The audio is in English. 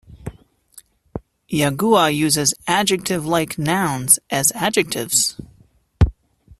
Yagua uses adjective-like nouns as adjectives.